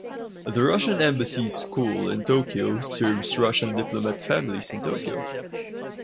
The Russian Embassy School in Tokyo serves Russian diplomat families in Tokyo.